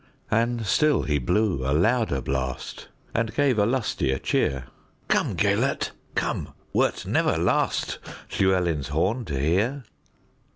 And still he blew a louder blast, And gave a lustier cheer:"Come, Gêlert, come, wert never lastLlewelyn's horn to hear.